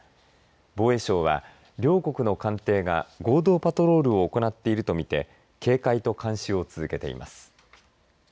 防衛省は両国の艦艇が合同パトロールを行っていると見て警戒と監視を続けています。